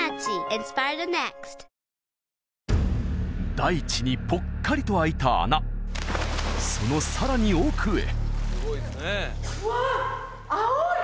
大地にぽっかりとあいた穴そのさらに奥へうわっ青い！